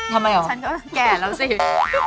แก่แล้วสิ